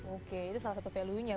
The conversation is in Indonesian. oke itu salah satu value nya